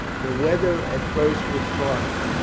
The weather at first was fine.